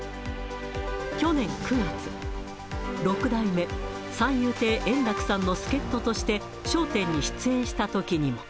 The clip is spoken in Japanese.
去年９月、六代目三遊亭円楽さんの助っ人として、笑点に出演したときにも。